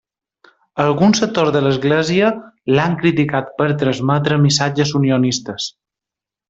Alguns sectors de l'Església l'han criticat per transmetre missatges unionistes.